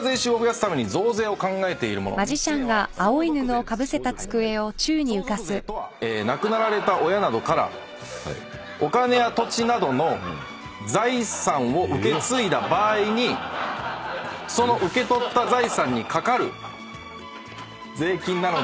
相続税とは亡くなられた親などからお金や土地などの財産を受け継いだ場合にその受け取った財産にかかる税金なのですが。